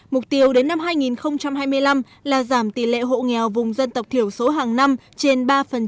mục tiêu đến năm hai nghìn hai mươi năm là giảm tỷ lệ hộ nghèo vùng dân tộc thiểu số hàng năm trên ba